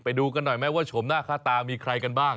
ไปดูกันหน่อยไหมว่าชมหน้าค่าตามีใครกันบ้าง